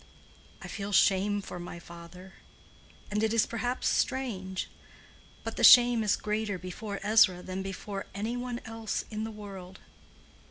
I feel shame for my father, and it is perhaps strange—but the shame is greater before Ezra than before any one else in the world.